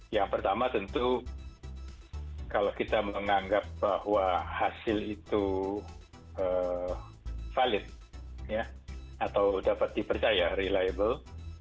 yang pertama tentu kalau kita menganggap bahwa hasil itu valid atau dapat dipercaya reliable